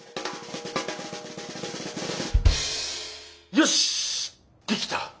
よしできた。